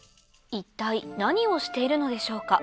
一体何をしているのでしょうか？